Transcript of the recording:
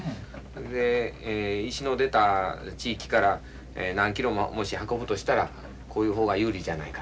石の出た地域から何キロももし運ぶとしたらこういう方が有利じゃないかと。